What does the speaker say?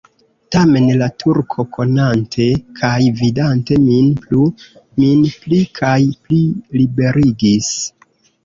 Tamen, la Turko konante kaj vidante min plu, min pli kaj pli liberigis.